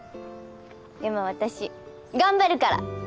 でも私頑張るから。